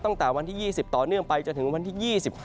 ตั้งแต่วันที่๒๐ต่อเนื่องไปจนถึงวันที่๒๕